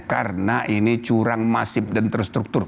karena ini curang masif dan terstruktur